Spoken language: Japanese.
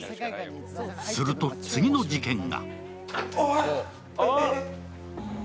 すると次の事件が。